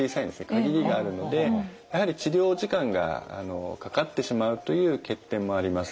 限りがあるのでやはり治療時間がかかってしまうという欠点もあります。